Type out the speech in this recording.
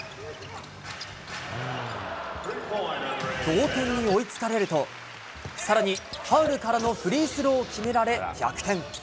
同点に追いつかれると、さらにファウルからのフリースローを決められ逆転。